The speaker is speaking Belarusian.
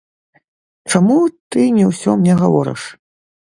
Чаму ты не ўсё мне гаворыш?